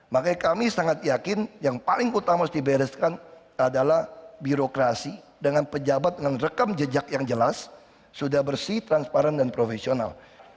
makanya kami sangat yakin yang paling utama harus dibereskan adalah birokrasi dengan pejabat dengan rekam jejak yang jelas sudah bersih transparan dan profesional